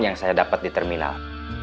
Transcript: yang saya dapat di terminal